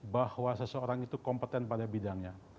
bahwa seseorang itu kompeten pada bidangnya